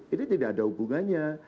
ini tidak ada hubungannya